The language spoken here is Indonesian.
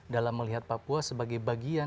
dalam melihat papua sebagai bagian